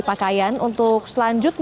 pemeriksaan tes kesehatan